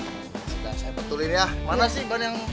sudah saya betulin ya mana sih ban yang